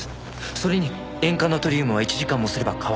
それに塩化ナトリウムは１時間もすれば乾く